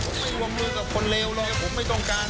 ผมไม่วงมือกับคนเลวเลยผมไม่ต้องการ